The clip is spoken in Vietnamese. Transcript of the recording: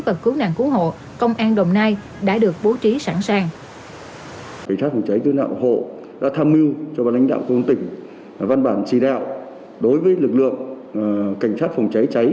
và cứu nạn cứu hộ công an đồng nai đã được bố trí sẵn sàng